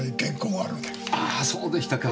ああそうでしたか。